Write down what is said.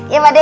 ya pak dea